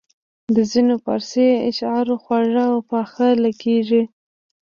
د ځینو فارسي اشعار خواږه او پاخه لګیږي.